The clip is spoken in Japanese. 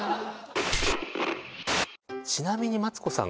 ちなみにマツコさん